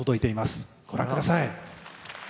ご覧ください。